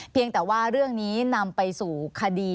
เพียงแต่ว่าเรื่องนี้นำไปสู่คดี